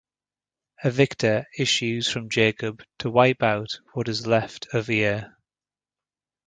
A victor issues from Jacob to wipe out what is left of Ir.